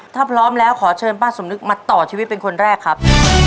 ถ้าพร้อมแล้วขอเชิญป้าสมนึกมาต่อชีวิตเป็นคนแรกครับ